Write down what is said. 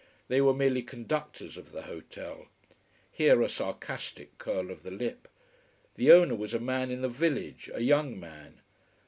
They were merely conductors of the hotel: here a sarcastic curl of the lip. The owner was a man in the village a young man.